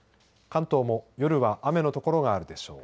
関東も夜は雨の所があるでしょう。